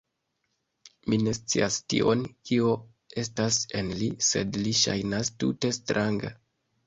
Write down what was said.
Mi ne scias tion, kio estas en li; sed li ŝajnas tute stranga.